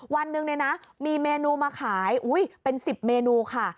วันหนึ่งเนี่ยนะมีเมนูมาขายเป็น๑๐เมนูค่ะ